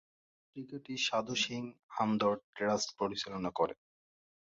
পত্রিকাটি সাধু সিং হামদর্দ ট্রাস্ট পরিচালনা করে।